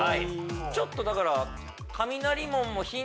ちょっとだから。